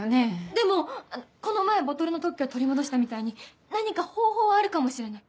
でもこの前ボトルの特許取り戻したみたいに何か方法はあるかもしれない。